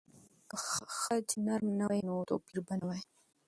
که خج نرم نه وای، نو توپیر به نه وای.